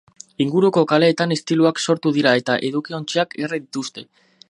Inguruko kaleetan istiluak sortu dira eta edukiontziak erre dituzte.